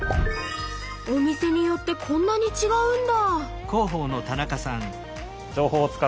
お店によってこんなに違うんだ！